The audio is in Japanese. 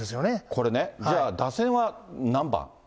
これね、じゃあ、打線は何番？